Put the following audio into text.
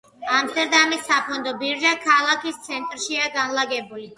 ამსტერდამის საფონდო ბირჟა ქალაქის ცენტრშია განლაგებული.